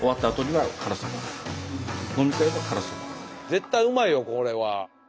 絶対うまいよこれは。